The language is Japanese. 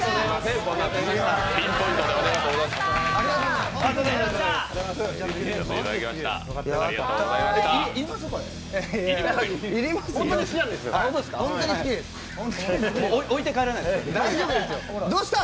ピンポイントでありがとうございました。